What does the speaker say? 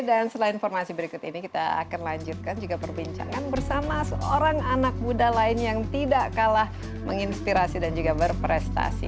selain informasi berikut ini kita akan lanjutkan juga perbincangan bersama seorang anak muda lain yang tidak kalah menginspirasi dan juga berprestasi